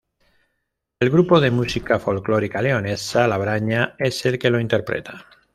El grupo de música folclórica leonesa "La Braña" es el que lo interpreta.